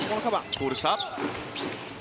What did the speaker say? ゴール下。